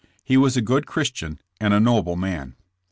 He was a good Christian and a" noble man.